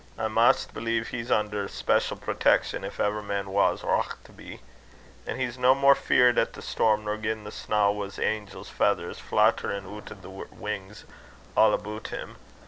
I maist believe he's under special protection, if ever man was or oucht to be; an' he's no more feared at the storm, nor gin the snaw was angels' feathers flauchterin' oot o' their wings a' aboot him.